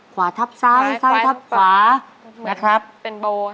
ขวาทับซ้ายซ้ายทับขวานะครับเป็นโบน